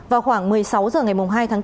vào khoảng một mươi sáu h ngày hai tháng bốn